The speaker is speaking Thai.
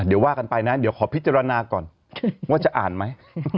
เดี๋ยวว่ากันไปนะเดี๋ยวขอพิจารณาก่อนว่าจะอ่านไหม